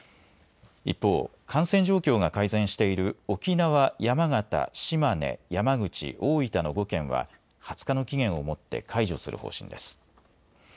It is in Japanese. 一方、感染状況が改善している沖縄、山形、島根、山口、大分の５県は２０日の期限をもって解除する方針です。